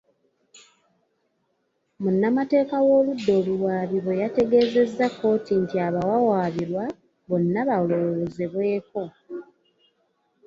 Munnamateeka w'oludda oluwaabi bwe yategezezza kkooti nti abawawaabirwa bonna balowoozebweko.